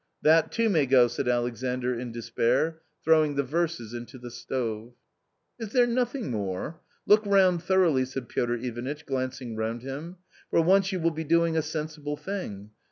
" That too may go !" said Alexander in despair, throwing the verses into the stove. " Is there nothing more ? Look round thoroughly ," said Piotr Ivanitch, glajicing round him ;" for once you will be doing a sensible thing.